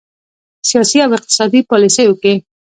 سیاسي او اقتصادي پالیسیو کې